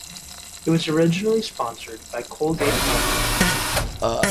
It was originally sponsored by Colgate-Palmolive.